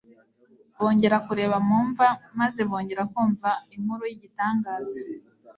Bongera kureba mu mva maze bongera kumva inkuru y'igitangaza: